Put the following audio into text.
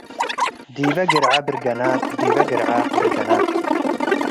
ዲበ ግርዐ ብርገናት ዲበ ግርዐ ብርገናት